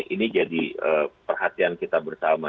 ini jadi perhatian kita bersama